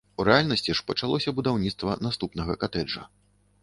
У рэальнасці ж пачалося будаўніцтва наступнага катэджа.